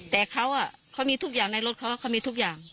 แต่เขามีทุกอย่างในรถเขาเขามีทุกอย่าง